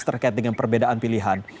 terkait dengan perbedaan pilihan